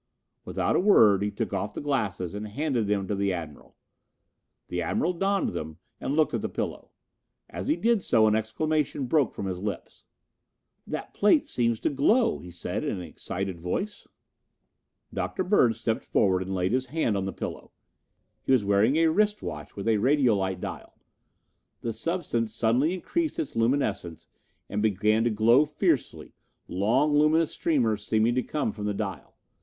Without a word he took off the glasses and handed them to the Admiral. The Admiral donned them and looked at the pillow. As he did so an exclamation broke from his lips. "That plate seems to glow," he said in an astonished voice. Dr. Bird stepped forward and laid his hand on the pillow. He was wearing a wrist watch with a radiolite dial. The substance suddenly increased its luminescence and began to glow fiercely, long luminous streamers seeming to come from the dial.